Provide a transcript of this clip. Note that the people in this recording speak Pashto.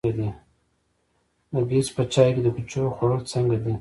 د ګیځ په چای د کوچو خوړل څنګه دي؟